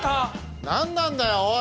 何なんだよおい！